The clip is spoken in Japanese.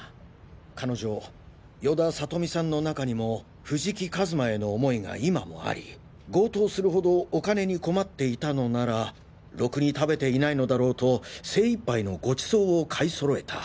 彼女与田理美さんの中にも藤木一馬への思いが今もあり強盗する程お金に困っていたのならロクに食べていないのだろうと精一杯のごちそうを買い揃えた。